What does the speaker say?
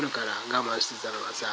我慢してたのはさ。